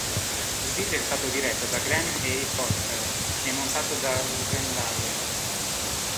Il video è stato diretto da Glenn A. Foster e montato da Zendaya.